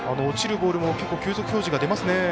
落ちるボールも結構、球速表示が出ますね。